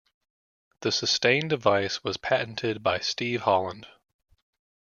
The sustain device was patented by Steve Holland.